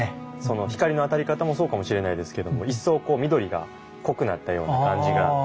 光の当たり方もそうかもしれないですけど一層こう緑が濃くなったような感じがしますね。